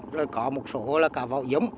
rồi có một số là cá vậu giống